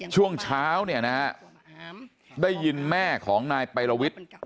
ช่วงเช้าเนี่ยนะฮะได้ยินแม่ของนายปัยลวิทย์